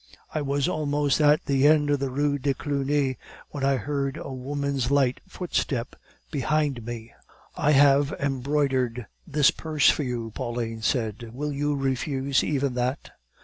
I was almost at the end of the Rue de Cluny when I heard a woman's light footstep behind me. "'I have embroidered this purse for you,' Pauline said; 'will you refuse even that?